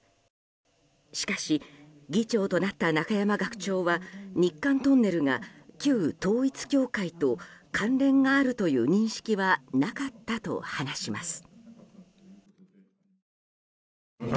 しかし、議長となった中山学長は日韓トンネルが旧統一教会と関連があるという認識はなかったと話します。